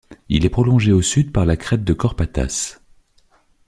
Il est prolongé au sud par la crête de Corpatas.